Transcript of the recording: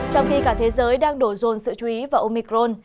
trong khi cả thế giới đang đổ dồn sự chú ý vào omicron